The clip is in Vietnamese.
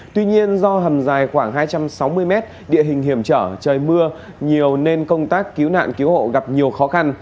tuy nhiên do hầm dài khoảng hai trăm sáu mươi mét địa hình hiểm trở trời mưa nhiều nên công tác cứu nạn cứu hộ gặp nhiều khó khăn